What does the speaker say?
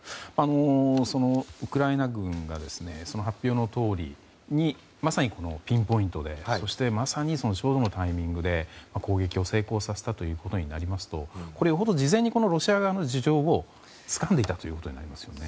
ウクライナ軍がその発表のとおりにまさにピンポイントでそしてまさに、そのタイミングで攻撃を成功させたとなりますとよほど事前にロシア側の事情をつかんでいたことになりますね。